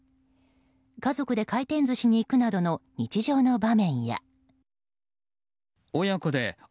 家族で回転寿司に行くなどの日常の場面や。